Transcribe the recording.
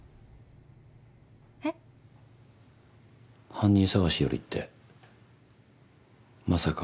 犯人捜しよりってまさか。